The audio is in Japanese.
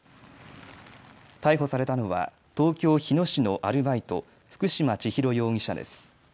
逮捕されたのは東京日野市のアルバイト、福島千尋容疑者です。